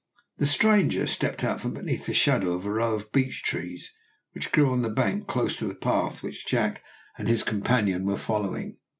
The stranger stepped out from beneath the shadow of a row of beech trees which grew on the bank close to the path which Jack and his companion were following.